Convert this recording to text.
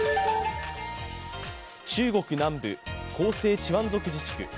中国南部・広西チワン族自治区。